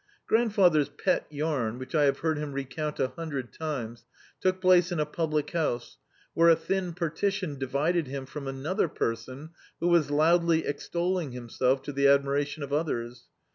Grandfather's pet yam, which I have heard him recount a hundred times, took place in a public house, where a thin partition divided him from another person who was loudly extolling him self to the adbiiration of others.